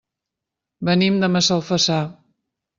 Venim de Massalfassar.